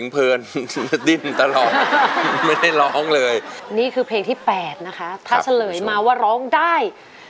เพียงที่๘ถ้าเฉลยมาว่าร้องได้